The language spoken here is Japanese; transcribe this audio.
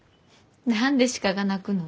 何で鹿が鳴くの？